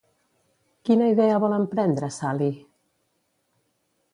Quina idea vol emprendre Salih?